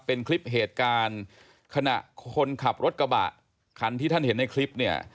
เป็นคลิปเหตุการณ์ขณะคนขับรถกระบะคันที่ท่านเห็นในคลิปเนี่ย